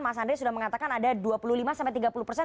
mas andre sudah mengatakan ada dua puluh lima sampai tiga puluh persen